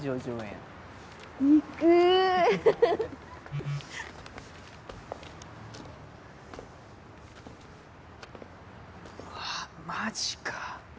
うわっマジか。